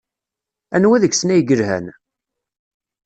Anwa deg-sen ay yelhan?